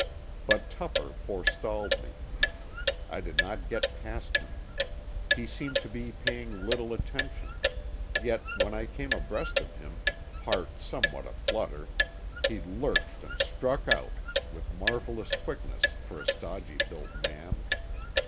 But Tupper forestalled me. I did not get past him. He seemed to be paying little attention, yet when I came abreast of him, heart somewhat a flutter he lurched and struck out—with marvellous quickness for a stodgy built man.